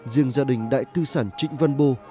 riêng gia đình đại tư sản trịnh văn bô